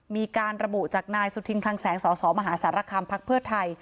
มีการระบุจากนายสุธินคลังแสงสสมหาสารคามพักเพื่อไทย